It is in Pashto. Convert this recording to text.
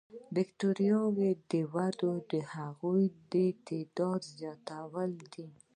د بکټریاوو وده د هغوی د تعداد زیاتوالی دی.